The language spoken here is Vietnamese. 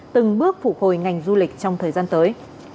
từng bước phục hồi ngành du lịch trong thời gian tới